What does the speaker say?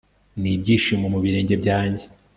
Nibyishimo mu birenge byanjye